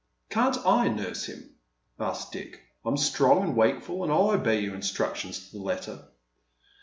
" Can't I nurse him ?" asks Dick. " I'm strong and wakeful, and I'll obey your instructions to the letter."